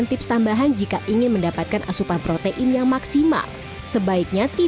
nah ini adalah kandungan gizi